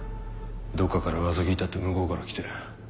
どっかから噂聞いたって向こうから来て。